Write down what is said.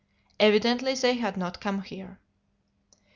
Evidently they had not come here.